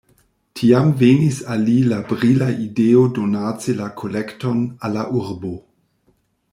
Tiam venis al li la brila ideo donaci la kolekton al la urbo.